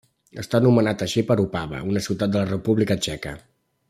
Està nomenat així per Opava, una ciutat de la República Txeca.